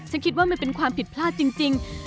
ฉันคิดว่ามันเป็นความผิดพลาดจริง